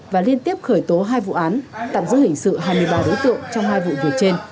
và liên tiếp khởi tố hai vụ án tạm giữ hình sự hai mươi ba đối tượng trong hai vụ việc trên